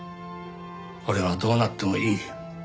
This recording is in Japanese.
俺はどうなってもいい。